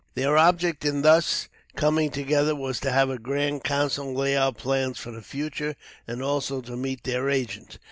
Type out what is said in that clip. Their object in thus coming together was to have a grand council and lay out plans for the future, and also to meet their agent.